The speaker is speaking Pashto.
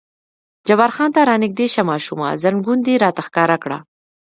جبار خان: ته را نږدې شه ماشومه، زنګون دې راته ښکاره کړه.